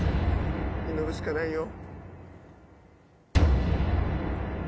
祈るしかないよ。